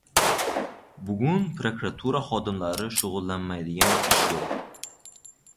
Bugun prokuratura xodimlari shugʻullanmaydigan ish yoʻq.